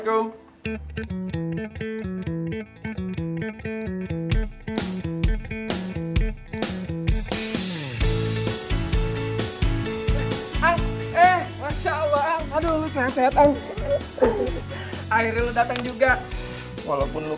jan datang nih